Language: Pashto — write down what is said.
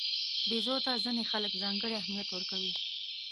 بیزو ته ځینې خلک ځانګړی اهمیت ورکوي.